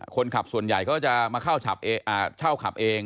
คนขับส่วนใหญ่เขาก็จะเช่าขับเอง